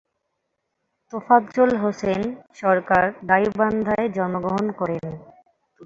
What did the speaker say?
তোফাজ্জল হোসেন সরকার গাইবান্ধায় জন্মগ্রহণ করেন।